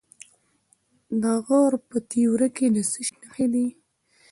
د غور په تیوره کې د څه شي نښې دي؟